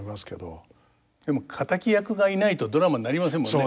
でも敵役がいないとドラマになりませんもんね。